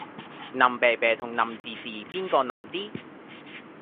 腍啤啤同腍滋滋邊個腍啲？